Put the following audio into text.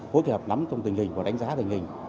hối kế hợp nắm trong tình hình và đánh giá tình hình